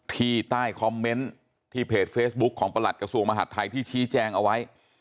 ที่ใต้คอมเมนต์ที่เพจเฟซบุ๊คของประหลัดกระทรวงมหาดไทยที่ชี้แจงเอาไว้